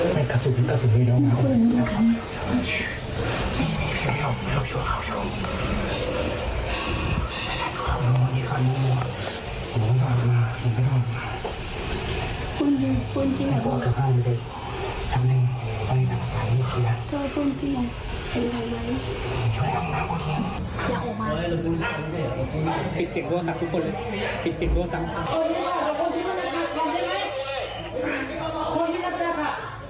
พิสิทธิ์ตัวซ้ำค่ะ